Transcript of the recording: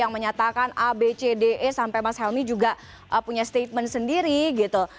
yang menyatakan a b c d e sampai mas helmi juga punya statement sendiri gitu